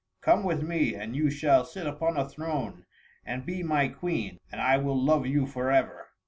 "Come with me, and you shall sit upon a throne and be my Queen, and I will love you forever."